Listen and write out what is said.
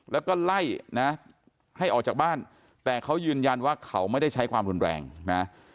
แล้วก็ไล่นะให้ออกจากบ้านแต่เขายืนยันว่าเขาไม่ได้ใช้ความรุนแรงนะ